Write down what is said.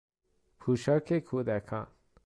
پوشاک کودکان